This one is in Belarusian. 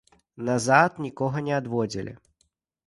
Назад нікога не адводзілі.